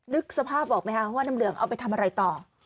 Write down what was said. นึกสภาพออกไหมคะว่าน้ำเหลืองเอาไปทำอะไรต่อ